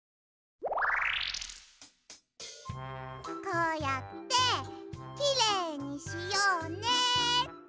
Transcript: こうやってきれいにしようねっと。